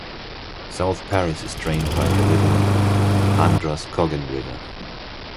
South Paris is drained by the Little Androscoggin River.